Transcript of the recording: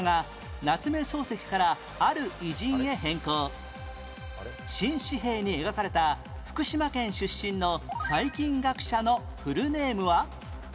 １８年前新紙幣に描かれた福島県出身の細菌学者のフルネームは？